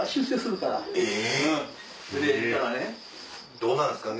どうなんですかね？